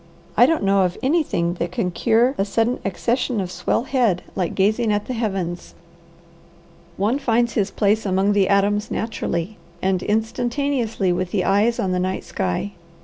"I don't know of anything that can cure a sudden accession of swell head like gazing at the heavens. One finds his place among the atoms naturally and instantaneously with the eyes on the night sky.